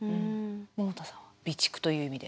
百田さん備蓄という意味で。